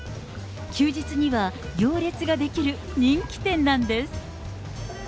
休日には行列が出来る人気店なんです。